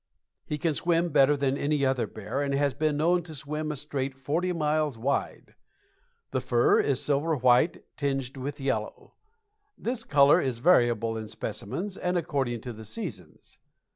He can swim better than any other bear, and has been known to swim a strait forty miles wide. The fur is silver white tinged with yellow. This color is variable in specimens, and according to the seasons.